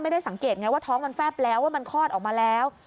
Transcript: ไม่ได้สังเกตไงว่าท้องมันแฟบแล้วว่ามันคลอดออกมาแล้ว